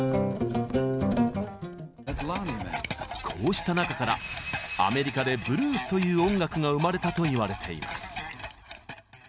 こうした中からアメリカでブルースという音楽が生まれたといわれています。